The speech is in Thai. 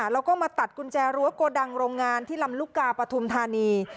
แล้วก็มาตัดกุญแจรั้วโกดังโรงงานที่ลำลูกกาปฐุมธานี